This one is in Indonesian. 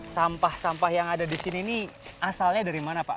sampah sampah yang ada di sini ini asalnya dari mana pak